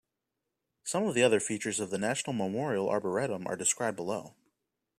Some of the other features of the National Memorial Arboretum are described below.